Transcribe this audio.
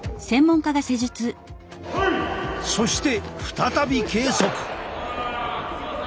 そして再び計測。